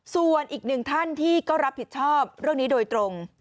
ส่วนอีกหนึ่งท่านที่ก็รับผิดชอบเรื่องนี้โดยตรง